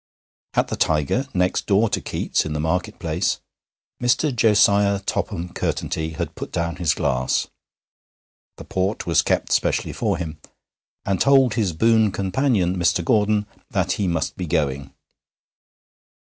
At the Tiger, next door to Keats's in the market place, Mr. Josiah Topham Curtenty had put down his glass (the port was kept specially for him), and told his boon companion, Mr. Gordon, that he must be going.